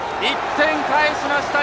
１点返しました。